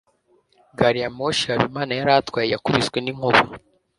gari ya moshi habimana yari atwaye yakubiswe n'inkuba